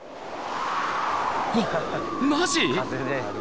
うわっマジ！？